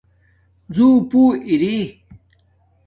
زُݸپُو اری